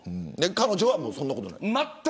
彼女はそんなことない。